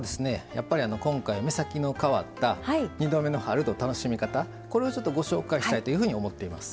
やっぱり今回目先の変わった「２度目の春」の楽しみ方これをご紹介したいと思っています。